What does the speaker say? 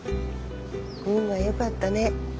運がよかったね。